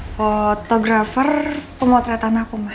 fotografer pemotretan aku ma